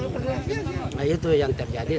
nah itu yang terjadi